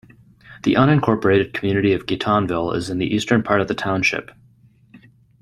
The unincorporated community of Guitonville is in the eastern part of the township.